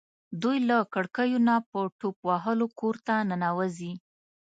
دوی له کړکیو نه په ټوپ وهلو کور ته ننوځي.